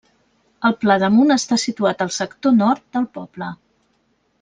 El Pla d’Amunt està situat al sector nord del poble.